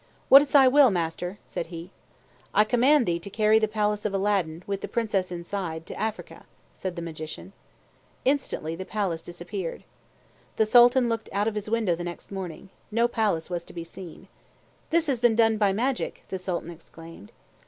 "What is thy will, master?" said he. "I command thee to carry the palace of Aladdin, with the Princess inside, to Africa," said the Magician. Instantly the palace disappeared. The Sultan looked out of his window the next morning. No palace was to be seen. "This has been done by magic!" the Sultan exclaimed.